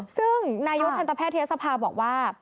ซึ่งนายกทันตแพทยศภาบอกว่า